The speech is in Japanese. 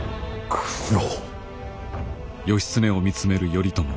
九郎。